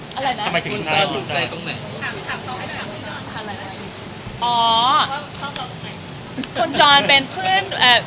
ทำไมถึงตัวของคุณอ่า